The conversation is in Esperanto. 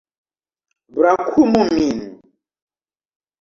Brakumu min.